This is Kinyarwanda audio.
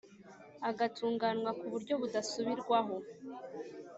agatunganywa ku buryo budasubirwaho.